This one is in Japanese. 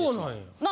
まあ。